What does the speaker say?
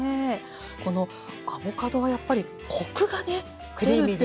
このアボカドはやっぱりコクがね出るっていうのが。